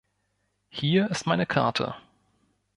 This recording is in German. Hier ist meine Karte.